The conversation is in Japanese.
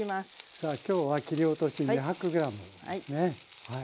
さあ今日は切り落とし２００ｇですねはい。